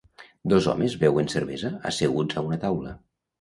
Dos homes beuen cervesa asseguts a una taula